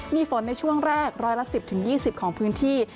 มีฝนในช่วงแรกรอยละสิบถึงยี่สิบของพื้นที่